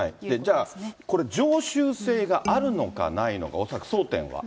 じゃあこれ、常習性があるのかないのか、恐らく争点は。